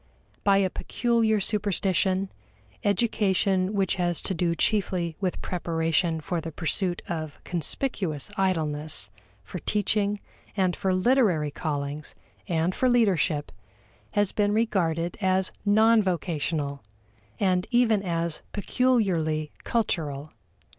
By a peculiar superstition, education which has to do chiefly with preparation for the pursuit of conspicuous idleness, for teaching, and for literary callings, and for leadership, has been regarded as non vocational and even as peculiarly cultural.